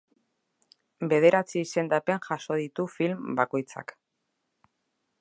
Bederatzi izendapen jaso ditu film bakoitzak.